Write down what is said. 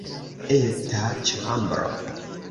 Eta ĉambro.